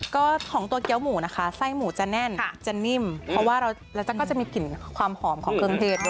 ก็ของตัวเกี้ยวหมูนะคะไส้หมูจะแน่นจะนิ่มเพราะว่าเราก็จะมีกลิ่นความหอมของเครื่องเทศด้วย